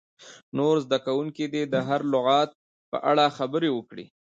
نور زده کوونکي دې د هر لغت په اړه خبرې وکړي.